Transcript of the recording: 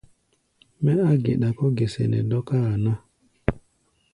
Mɛ́ á geɗa kɔ̧́ gɛsɛ nɛ dɔ́káa ná.